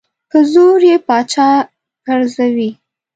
په زور یې پاچا پرزوي.